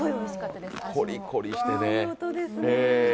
コリコリしてね。